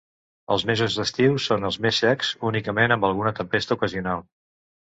Els mesos d'estiu són els més secs, únicament amb alguna tempesta ocasional.